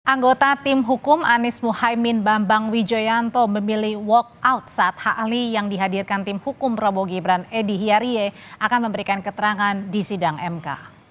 anggota tim hukum anies muhaymin bambang wijoyanto memilih walk out saat hak ahli yang dihadirkan tim hukum prabowo gibran edy hiarie akan memberikan keterangan di sidang mk